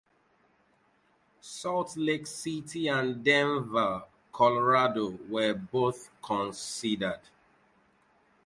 Salt Lake City and Denver, Colorado, were both considered.